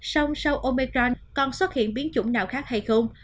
xong sau omicron còn xuất hiện biến chủng nào khác hay không